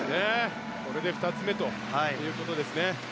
これで２つ目ということですね。